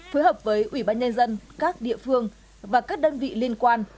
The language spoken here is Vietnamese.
phối hợp với ủy ban nhân dân các địa phương và các đơn vị liên quan